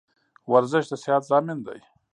ورزش د صحت ضامن دی